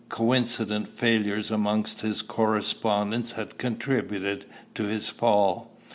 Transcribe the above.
Coincident failures amongst his correspondents had contributed to his fall.